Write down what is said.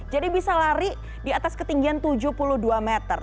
jadi bisa lari di atas ketinggian tujuh puluh dua meter